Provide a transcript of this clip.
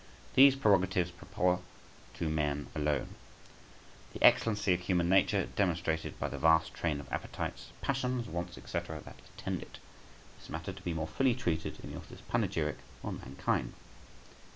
These prerogatives proper to man alone. The excellency of human nature demonstrated by the vast train of appetites, passions, wants, &c., that attend it. This matter to be more fully treated in the author's panegyric on mankind.